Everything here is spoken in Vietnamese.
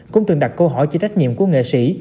cũng từng đặt câu hỏi cho trách nhiệm của nghệ sĩ